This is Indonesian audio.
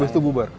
abis itu bubar